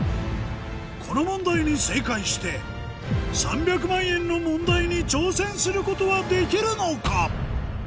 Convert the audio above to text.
この問題に正解して３００万円の問題に挑戦することはできるのか？